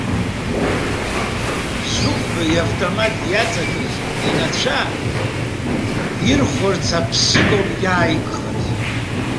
Зыхәба иавтомат иаҵакыз инацәа ирхәарц аԥсык ауп иааигхаз.